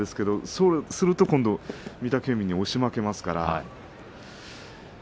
そうすると御嶽海に押し負けますので。